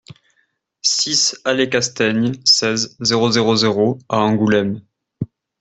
six allée Castaigne, seize, zéro zéro zéro à Angoulême